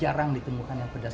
jarang ditemukan yang pedas